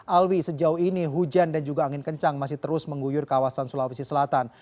alwi sejauh ini hujan dan juga angin kencang masih terus mengguyur kawasan sulawesi selatan